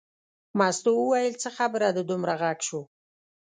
مستو وویل څه خبره ده دومره غږ شو.